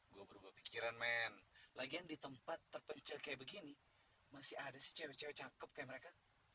gue berubah pikiran men lagian di tempat terpencil kayak begini masih ada sih cewek cewek cakep kayak mereka